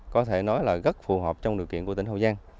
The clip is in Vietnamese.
có thể nói là rất phù hợp trong điều kiện của tỉnh hậu giang